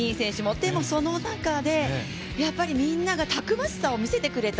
でもその中でみんながたくましさを見せてくれた。